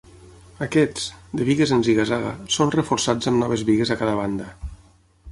Aquests, de bigues en ziga-zaga, són reforçats amb noves bigues a cada banda.